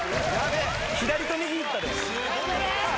左と右いったで。